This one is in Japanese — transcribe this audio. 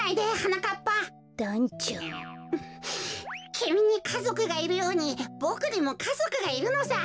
きみにかぞくがいるようにボクにもかぞくがいるのさ。